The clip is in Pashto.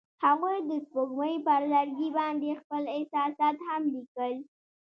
هغوی د سپوږمۍ پر لرګي باندې خپل احساسات هم لیکل.